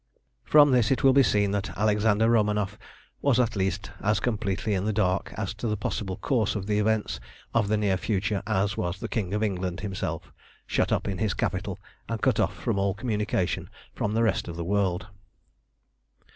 From this it will be seen that Alexander Romanoff was at least as completely in the dark as to the possible course of the events of the near future as was the King of England himself, shut up in his capital, and cut off from all communication from the rest of the world.